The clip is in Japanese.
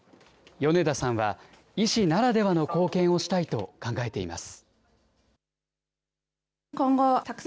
米田さんは、医師ならではの貢献をしたいと考えています。